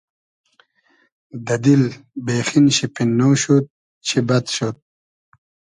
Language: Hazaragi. دۂ دیل بېخین شی پیننۉ شود چی بئد شود